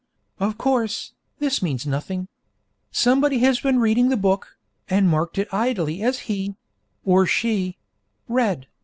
Of course, this means nothing. Somebody has been reading the book, and marked it idly as he (or she) read.